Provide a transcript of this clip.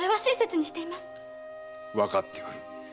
わかっておる。